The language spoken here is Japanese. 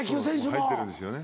入ってるんですよね。